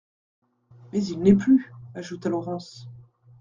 Mais il n'est plus, ajouta Laurence.